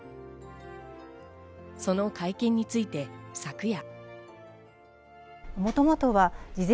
その会見について昨夜。